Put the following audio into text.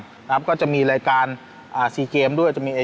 ไปดูแล้วก็แบ่งกันดูแล้วก็เอาข้อมูลมานะครับว่าใครเป็นยังไง